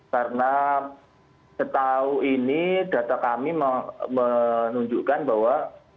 karena setahu ini data kami menunjukkan bahwa